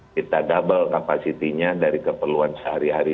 kita double kapasitinya dari keperluan sehari hari